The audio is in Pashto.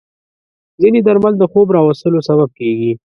ځینې درمل د خوب راوستلو سبب کېږي.